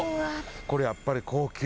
これやっぱり高級？